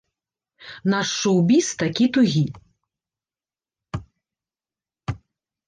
Наш шоў-біз такі тугі.